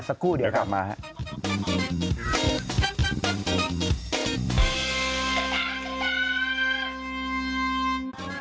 สักครู่เดี๋ยวครับเอาค่ะมาครับ